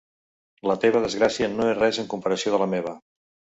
La teva desgràcia no és res en comparació de la seva.